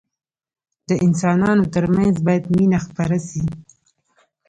د انسانانو ترمنځ باید مينه خپره سي.